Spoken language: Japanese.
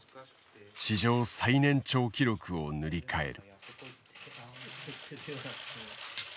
史上最年長記録を塗り替える。